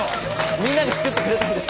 みんなが作ってくれたんです。